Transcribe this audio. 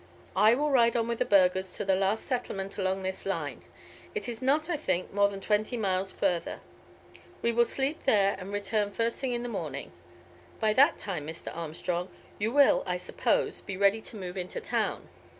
I will ride on with the burghers to the last settlement along this line. It is not, I think, more than twenty miles further. We will sleep there and return the first thing in the morning. By that time, Mr. Armstrong, you will, I suppose, be ready to move into town."